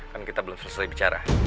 kan kita belum selesai bicara